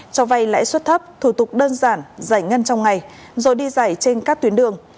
cho vay lãi suất thấp thủ tục đơn giản giải ngân trong ngày rồi đi giải trên các tuyến đường